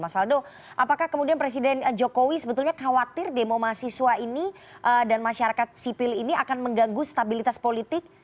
mas faldo apakah kemudian presiden jokowi sebetulnya khawatir demo mahasiswa ini dan masyarakat sipil ini akan mengganggu stabilitas politik